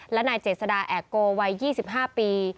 และนายเจษดาแอโกวัย๒๕ปี